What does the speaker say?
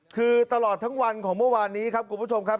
คือตลอดทั้งวันของเมื่อวานนี้ครับคุณผู้ชมครับ